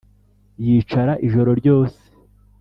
yicara ijoro ryose